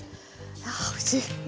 あおいしい。